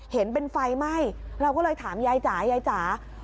เห็นเป็นไฟไหม้เราก็เลยถามยายจ๋ายายจ๋า